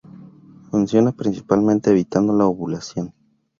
Funciona principalmente evitando la ovulación.